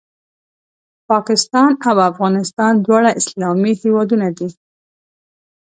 پاکستان او افغانستان دواړه اسلامي هېوادونه دي